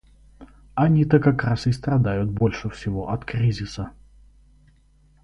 Они-то как раз и страдают больше всего от кризиса.